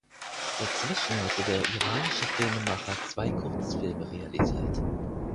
Dazwischen hatte der iranische Filmemacher zwei Kurzfilme realisiert.